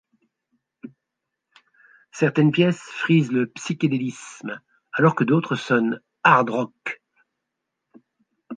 Certaines pièces frisent le psychédélisme alors que d'autres sonnent hard rock.